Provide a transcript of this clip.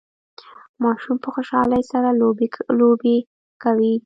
ماشوم په خوشحالۍ سره لوبي لوبې کوي